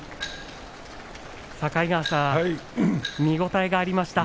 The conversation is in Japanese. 境川さん、見応えがありました。